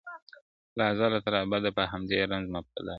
• له ازله تر ابده په همدې رنځ مبتلا یو -